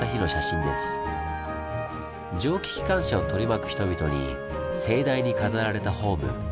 蒸気機関車を取り巻く人々に盛大に飾られたホーム。